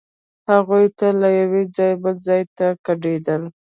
هغوی تل له یوه ځایه بل ځای ته کډېدل.